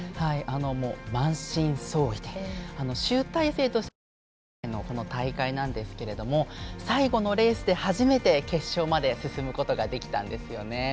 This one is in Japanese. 満身創痍で、集大成として臨んだ今回の大会なんですが最後のレースで初めて決勝まで進むことができたんですよね。